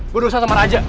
gue ada urusan sama raja